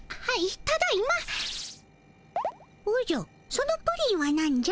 そのプリンはなんじゃ？